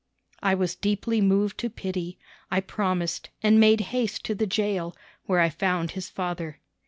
I was deeply moved to pity. I promised, and made haste to the jail, where I found his father.